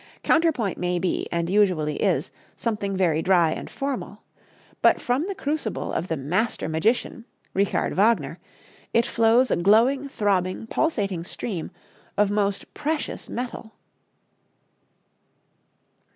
Counterpoint may be, and usually is, something very dry and formal. But from the crucible of the master magician, Richard Wagner, it flows a glowing, throbbing, pulsating stream of most precious metal.